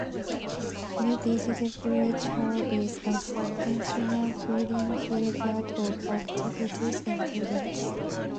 Newdigate village hall is a substantial building hired out for activities and events.